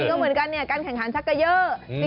ก็เหมือนกันเนี่ยการแข่งขันชักเกยอร์